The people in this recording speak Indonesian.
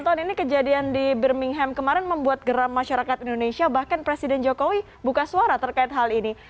dan ini kejadian di birmingham kemarin membuat geram masyarakat indonesia bahkan presiden jokowi buka suara terkait hal ini